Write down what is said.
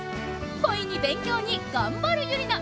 恋に勉強に頑張るユリナ！